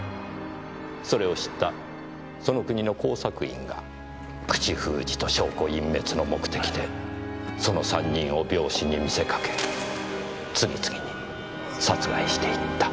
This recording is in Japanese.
それを知ったその国の工作員が口封じと証拠隠滅の目的でその３人を病死に見せかけ次々に殺害していった。